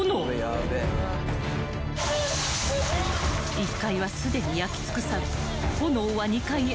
［１階はすでに焼き尽くされ炎は２階へ］